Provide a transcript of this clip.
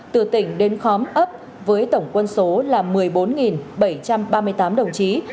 từ tỉnh đến khóm ấp với tổng quân số là một mươi bốn bảy trăm ba mươi tám đồng chí